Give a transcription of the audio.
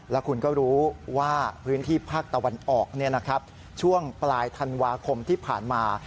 แล้วคุณก็รู้ว่าพื้นที่ภาคตะวันออกช่วงปลายธันวาคมที่ผ่านมา